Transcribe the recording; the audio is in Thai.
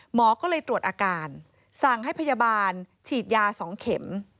หมอก็เลยตรวจอาการสั่งให้พยาบาลฉีดยา๒เข็ม